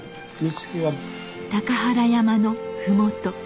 高原山の麓。